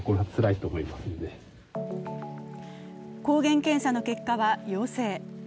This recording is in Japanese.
抗原検査の結果は陽性。